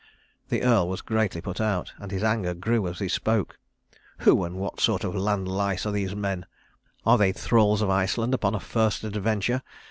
The Earl was greatly put out, and his anger grew as he spoke. "Who and what sort of land lice are these men? Are they thralls of Iceland upon a first adventure?